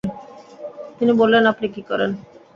তিনি বললেন, আপনি কী করেন?